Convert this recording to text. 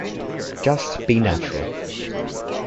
Just be natural.